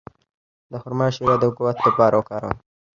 د خرما شیره د قوت لپاره وکاروئ